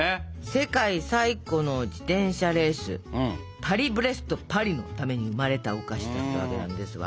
世界最古の自転車レース「パリ・ブレスト・パリ」のために生まれたお菓子だったわけなんですが。